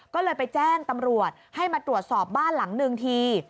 ก็เลยไปแจ้งตำรวจให้มาตรวจสอบบ้านหลังนึงที